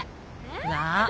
なあ。